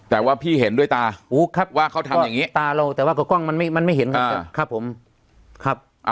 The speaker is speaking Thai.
แต่ว่าพี่เห็นด้วยตาว่าเขาทำอย่างนี้แต่ว่ากระก้องมันไม่เห็นครับครับผม